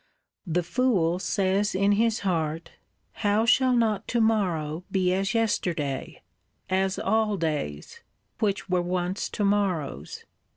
—The fool says in his heart, How shall not tomorrow be as yesterday; as all days,—which were once tomorrows?